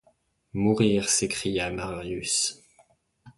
Mourir! s’écria Marius.